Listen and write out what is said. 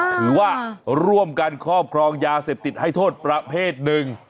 ถือว่าร่วมกันครอบครองยาเสพติดให้โทษประเภทหนึ่ง